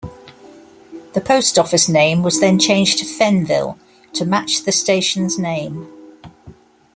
The post office name was then changed to "Fennville" to match the station's name.